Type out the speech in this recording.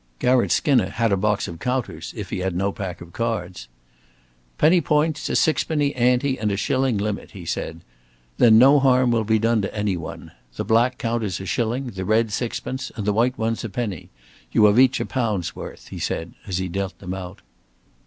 Garratt Skinner had a box of counters if he had no pack of cards. "Penny points, a sixpenny ante and a shilling limit," he said. "Then no harm will be done to any one. The black counters a shilling, the red sixpence, and the white ones a penny. You have each a pound's worth," he said as he dealt them out.